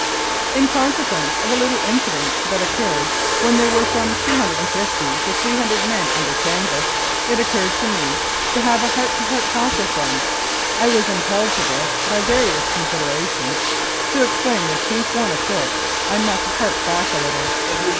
In consequence of a little incident that occurred when there were from 250 to 300 men under canvas, it occurred to me to have a heart to heart talk with them. I was impelled to this by various considerations, to explain the chief one of which I must hark back a little.